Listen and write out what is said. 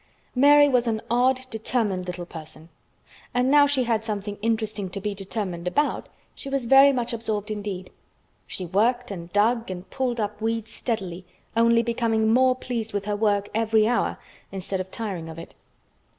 Mary was an odd, determined little person, and now she had something interesting to be determined about, she was very much absorbed, indeed. She worked and dug and pulled up weeds steadily, only becoming more pleased with her work every hour instead of tiring of it.